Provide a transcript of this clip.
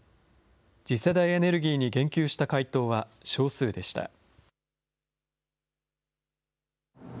次世代エネルギーに言及した回答は少数でした。